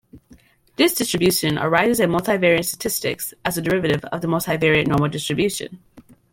This distribution arises in multivariate statistics as a derivative of the multivariate normal distribution.